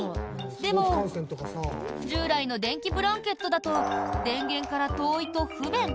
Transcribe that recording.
でも従来の電気ブランケットだと電源から遠いと不便。